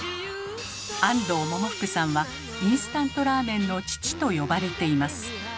安藤百福さんは「インスタントラーメンの父」と呼ばれています。